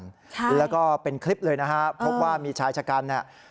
ใช่แล้วก็เป็นคลิปเลยนะฮะพบว่ามีชายชะกันเนี่ย